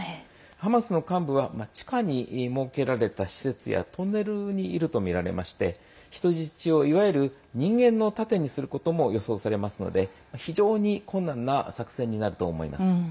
ハマスの幹部は地下に設けられた施設やトンネルにいるとみられまして人質をいわゆる人間の盾にすることも予想されますので非常に困難な作戦になると思います。